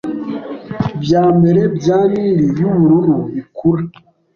bya mbere bya Nili yubururu bikura.